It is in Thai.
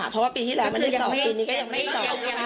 เพราะว่าปีที่แรกมันได้สอบปีนี้ก็ยังไม่ได้สอบ